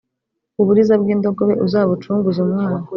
Uburiza bw indogobe uzabucunguze umwana